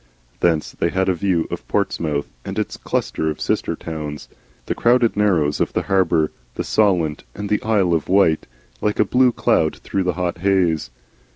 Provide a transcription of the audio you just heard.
Thence they had a view of Portsmouth and its cluster of sister towns, the crowded narrows of the harbour, the Solent and the Isle of Wight like a blue cloud through the hot haze.